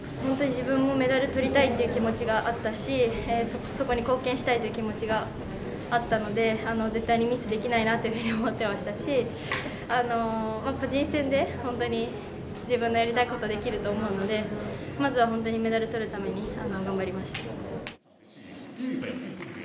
自分もメダルが取りたいっていう気持ちがあったしそこに貢献したい気持ちがあったので絶対にミスできないなと思っていましたし個人戦で本当に自分のやりたいことができると思うので、まずはメダルを取るために頑張りました。